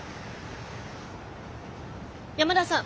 山田さん。